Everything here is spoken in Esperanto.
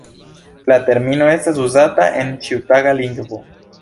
La termino estas uzata en ĉiutaga lingvo.